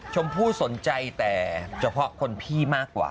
ชมพู่สนใจแต่เฉพาะคนพี่มากกว่า